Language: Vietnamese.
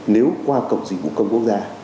nếu qua cộng dịch vụ công quốc gia